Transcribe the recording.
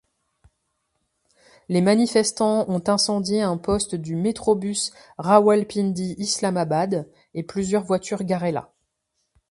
Les manifestants ont incendié un poste du Metrobus Rawalpindi-Islamabad et plusieurs voitures garées là.